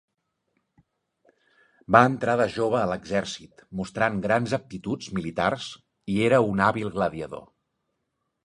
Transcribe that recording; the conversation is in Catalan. Va entrar de jove a l'exèrcit, mostrant grans aptituds militars i era un hàbil gladiador.